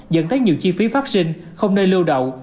dẫn tới nhiều chi phí vaccine không nơi lưu đậu